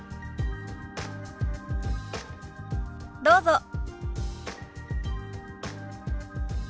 どうぞ。